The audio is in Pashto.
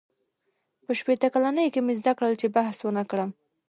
• په شپېته کلنۍ کې مې زده کړل، چې بحث ونهکړم.